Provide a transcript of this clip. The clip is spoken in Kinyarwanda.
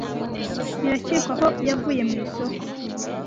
birakekwa ko yavuye mu isoko